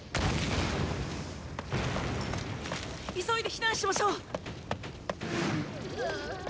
急いで避難しましょう！